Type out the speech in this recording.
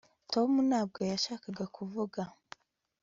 tom ntabwo yashakaga kuvuga